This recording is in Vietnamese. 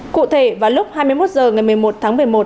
cụ thể vào lúc hai mươi một h ngày một mươi một tháng một mươi một